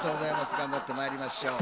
がんばってまいりましょう。